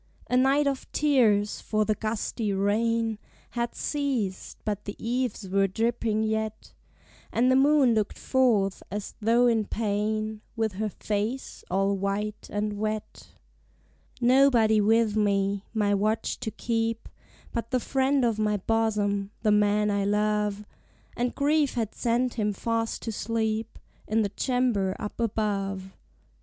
A night of tears! for the gusty rain Had ceased, but the eaves were dripping yet; And the moon looked forth, as though in pain, With her face all white and wet: Nobody with me, my watch to keep, But the friend of my bosom, the man I love: And grief had sent him fast to sleep In the chamber up above.